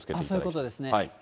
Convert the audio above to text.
そういうことですね。